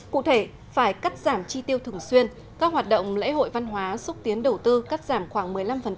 cụ thể phải cắt giảm chi tiêu thường xuyên các hoạt động lễ hội văn hóa xúc tiến đầu tư cắt giảm khoảng một mươi năm